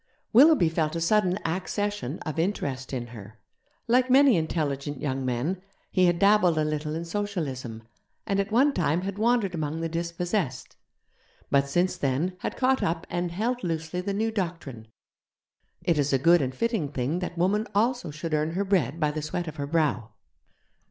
Willoughby felt a sudden accession of interest in her. Like many intelligent young men, he had dabbled a little in Socialism, and at one time had wandered among the dispossessed; but since then, had caught up and held loosely the new doctrine it is a good and fitting thing that woman also should earn her bread by the sweat of her brow.